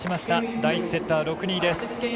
第１セットは６−２です。